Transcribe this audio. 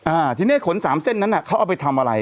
อ่าทีเนี้ยขนสามเส้นนั้นอ่ะเขาเอาไปทำอะไร